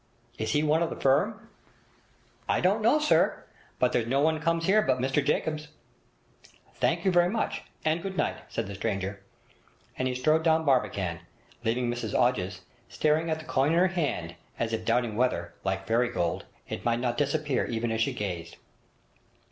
'Is he one of the firm?' 'I don't know, sir, but there's no one comes here but Mr Jacobs.' 'Thank you very much, and good night,' said the stranger; and he strode down Barbican, leaving Mrs Hodges staring at the coin in her hand as if doubting whether, like fairy gold, it might not disappear even as she gazed.